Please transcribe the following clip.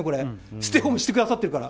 ステイホームしてくださってるから。